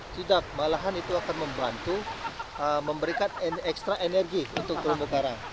tidak malahan itu akan membantu memberikan ekstra energi untuk terumbu karang